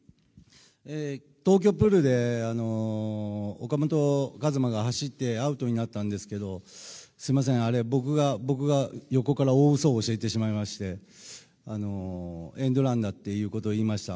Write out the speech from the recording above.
東京プールで、岡本和真が走ってアウトになったんですけどすみません、あれは僕が横から大嘘を教えてしまいましてエンドランだっていうことを言いました。